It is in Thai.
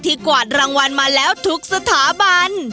กวาดรางวัลมาแล้วทุกสถาบัน